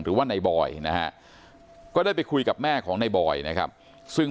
หรือว่าในบอยนะฮะก็ได้ไปคุยกับแม่ของในบอยนะครับซึ่ง